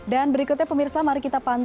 dan berikutnya pemirsa mari kita pantul